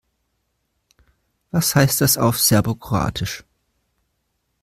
Was heißt das auf Serbokroatisch?